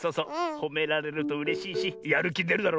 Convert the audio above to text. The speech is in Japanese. ほめられるとうれしいしやるきでるだろ。